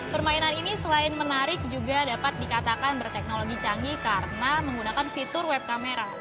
permainan ini selain menarik juga dapat dikatakan berteknologi canggih karena menggunakan fitur web kamera